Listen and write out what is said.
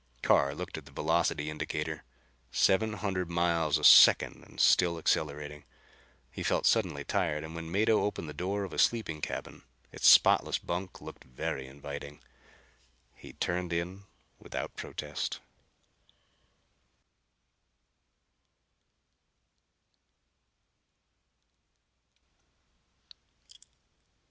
Carr looked at the velocity indicator. Seven hundred miles a second and still accelerating! He felt suddenly tired and when Mado opened the door of a sleeping cabin its spotless bunk looked very inviting. He turned in without protest.